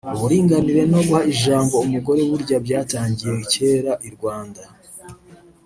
Uburinganire no guha ijambo umugore burya byatangiye kera i Rwanda